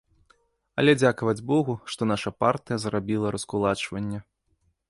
Але дзякаваць богу, што наша партыя зрабіла раскулачванне.